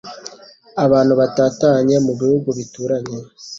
Abantu batatanye mu bihugu bituranye